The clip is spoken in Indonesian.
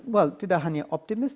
well tidak hanya optimis